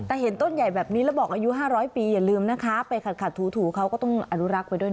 แต่เห็นต้นใหญ่แบบนี้แล้วบอกอายุ๕๐๐ปีอย่าลืมนะคะไปขัดถูเขาก็ต้องอนุรักษ์ไว้ด้วยนะ